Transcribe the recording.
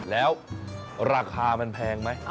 แล้วราคามันแพงไหม